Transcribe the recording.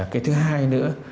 cái thứ hai nữa